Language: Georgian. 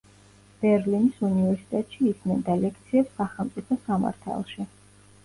ბერლინის უნივერსიტეტში ისმენდა ლექციებს სახელმწიფო სამართალში.